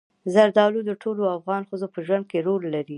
زردالو د ټولو افغان ښځو په ژوند کې رول لري.